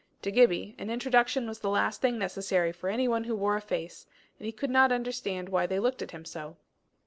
To Gibbie an introduction was the last thing necessary for any one who wore a face, and he could not understand why they looked at him so.